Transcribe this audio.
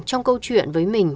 trong câu chuyện với mình